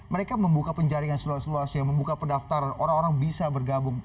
mereka membuka penjaringan seluas luasnya membuka pendaftaran orang orang bisa bergabung